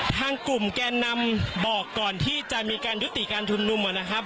ทางกลุ่มแกนนำบอกก่อนที่จะมีการยุติการชุมนุมนะครับ